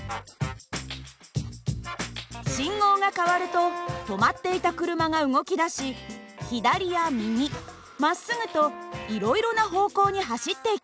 信号が変わると止まっていた車が動きだし左や右まっすぐといろいろな方向に走っていきます。